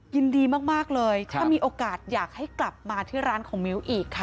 ยินดีมากเลยถ้ามีโอกาสอยากให้กลับมาที่ร้านของมิ้วอีกค่ะ